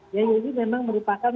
jadi memang merupakan